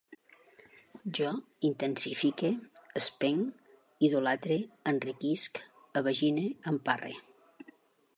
Jo intensifique, espenc, idolatre, enriquisc, evagine, emparre